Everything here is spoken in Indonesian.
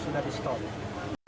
memang harus sementara disetop